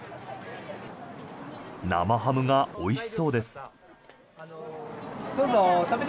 生ハムがおいしそうです。